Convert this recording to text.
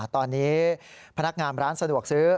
ตอนนี้พนักงานร้านสะดวกซื้อ